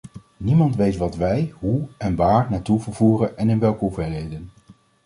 Niemand weet wat wij hoe en waar naartoe vervoeren en in welke hoeveelheden.